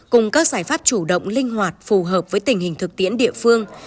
cùng các giải pháp chủ động linh hoạt phù hợp với tình hình thực tiễn địa phương